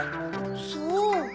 そう？